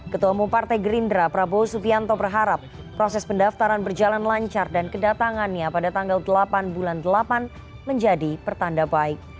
ketua umum partai gerindra prabowo subianto berharap proses pendaftaran berjalan lancar dan kedatangannya pada tanggal delapan bulan delapan menjadi pertanda baik